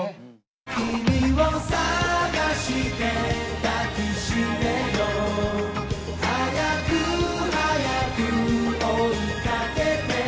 「君を探して抱きしめよう」「早く早く追いかけて」